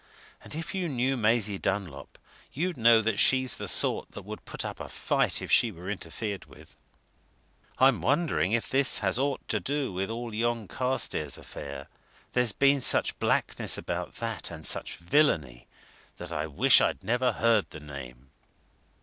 And if you knew Maisie Dunlop, you'd know that she's the sort that would put up a fight if she was interfered with! I'm wondering if this has aught to do with all yon Carstairs affair? There's been such blackness about that, and such villainy, that I wish I'd never heard the name!"